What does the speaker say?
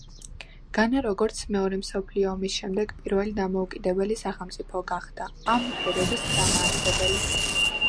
განა, როგორც მეორე მსოფლიო ომის შემდეგ პირველი დამოუკიდებელი სახელმწიფო გახდა ამ ფერების დამაარსებელი.